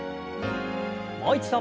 もう一度。